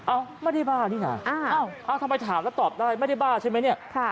ไม่ได้บ้านี่นะทำไมถามแล้วตอบได้ไม่ได้บ้าใช่ไหมเนี่ย